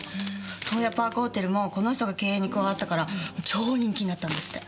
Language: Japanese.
洞爺パークホテルもこの人が経営に加わったから超人気になったんですって。